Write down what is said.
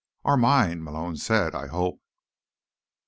"Our mind," Malone said. "I hope."